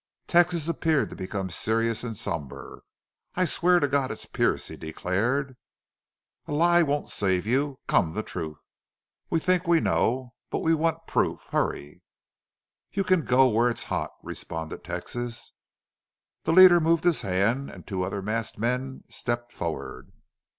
Texas appeared to become serious and somber. "I swear to God it's Pearce!" he declared. "A lie won't save you. Come, the truth! We think we know, but we want proof! Hurry!" "You can go where it's hot!" responded Texas. The leader moved his hand and two other masked men stepped forward.